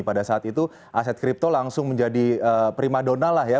pada saat itu aset kripto langsung menjadi prima dona lah ya